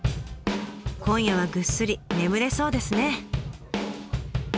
今夜はぐっすり眠れそうですね！